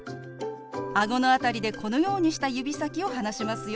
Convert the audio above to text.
あごの辺りでこのようにした指先を離しますよ。